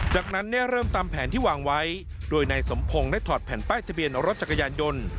จากนั้นเริ่มตามแผนที่วางไว้โดยนายสมพงศ์ได้ถอดแผ่นป้ายทะเบียนรถจักรยานยนต์